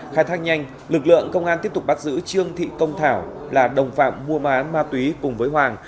khai thác nhanh lực lượng công an tiếp tục bắt giữ trương thị công thảo là đồng phạm mua bán ma túy cùng với hoàng